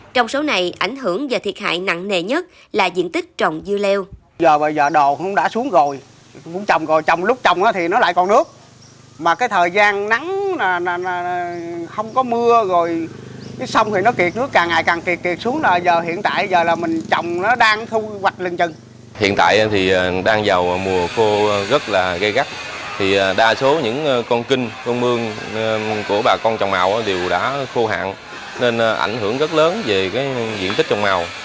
trong số này ảnh hưởng và thiệt hại nặng nề nhất là diện tích trồng dưa leo